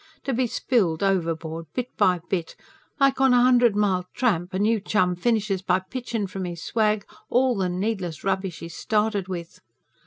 To be spilled overboard bit by bit like on a hundred mile tramp a new chum finishes by pitchin' from his swag all the needless rubbish he's started with.